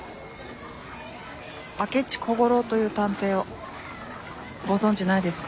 明智小五郎という探偵をご存じないですか？